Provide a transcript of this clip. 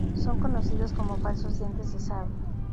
Son conocidos como falsos dientes de sable.